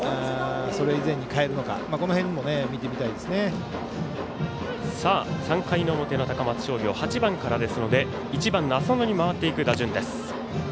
それ以前に代えるのか、この辺も３回の表の高松商業８番からですので１番の浅野に回っていく打順。